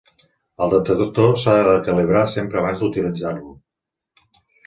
El detector s'ha de calibrar sempre abans d'utilitzar-lo.